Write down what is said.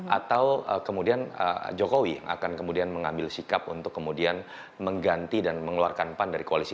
atau kemudian jokowi akan kemudian mengambil sikap untuk kemudian mengganti dan mengeluarkan pan dari koalisi